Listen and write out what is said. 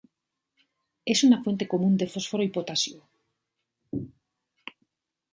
Es una fuente común de fósforo y potasio.